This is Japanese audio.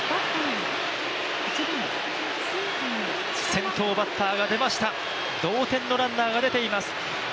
先頭バッターが出ました同点のバッターが出ています。